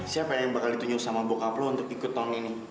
siapa yang bakal ditunjuk sama bokaplu untuk ikut tahun ini